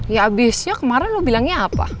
ya abisnya kemarin lo bilangnya apa